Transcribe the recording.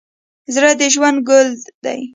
زړه د ژوند ګل دی.